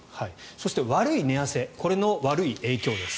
そして、悪い寝汗これの悪い影響です。